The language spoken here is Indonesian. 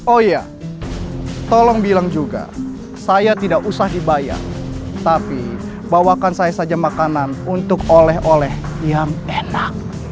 oh iya tolong bilang juga saya tidak usah dibayar tapi bawakan saya saja makanan untuk oleh oleh yang enak